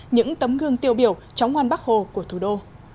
những tấm gương tiêu biểu tróng hoan bắc hồ của thủ đô